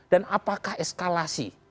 dan apakah eskalasi